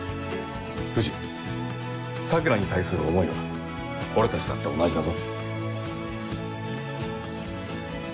藤桜に対する思いは俺たちだって同じだぞ。